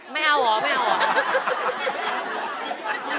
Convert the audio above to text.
ไม่เอาเหรอไม่เอาเหรอ